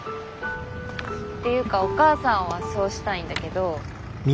っていうかお母さんはそうしたいんだけど。